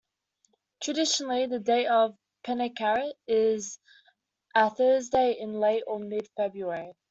Traditionally, the date of "penkkarit" is a Thursday in late or mid-February.